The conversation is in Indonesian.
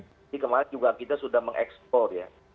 jadi kemarin juga kita sudah mengeksplor ya